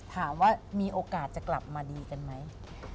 ถามว่ามีโอกาสจะกลับมาดีกันไหม